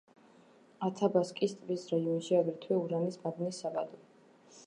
ათაბასკის ტბის რაიონშია აგრეთვე ურანის მადნის საბადო.